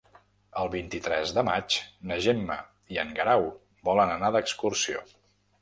El vint-i-tres de maig na Gemma i en Guerau volen anar d'excursió.